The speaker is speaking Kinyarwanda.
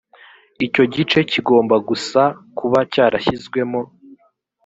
icyo gice kigomba gusa kuba cyarashyizwemo